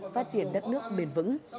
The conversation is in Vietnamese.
phát triển đất nước bền vững